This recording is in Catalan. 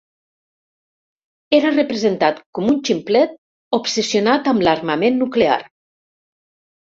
Era representat com un ximplet obsessionat amb l'armament nuclear.